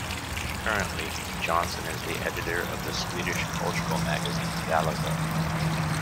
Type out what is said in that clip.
Currently, Jonsson is the editor of the Swedish cultural magazine "Galago".